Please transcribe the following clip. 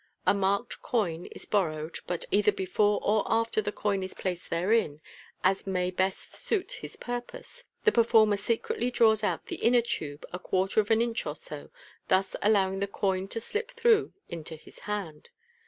A marked coin is bor rowed, but either before or after the coin is placed therein, as may best suit his purpose, the performer secretly draws out the inner tube a quarter of an inch or so, thus allowing the coin to slip through into his hand.